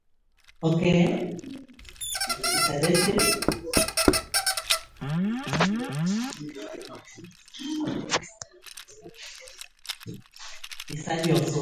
Kaysone displayed expert skills in handling relations with Vietnam.